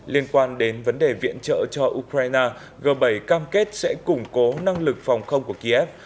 liên quan đến vấn đề viện trợ cho ukraine g bảy cam kết sẽ củng cố năng lực phòng không của kiev